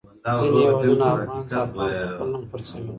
ځینې هېوادونه افغان زعفران په خپل نوم خرڅوي.